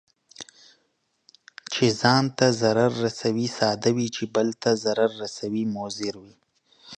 چي ځان ته ضرر رسوي، ساده وي، چې بل ته ضرر رسوي مضر وي.